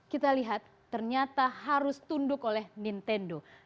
kita lihat ternyata harus tunduk oleh nintendo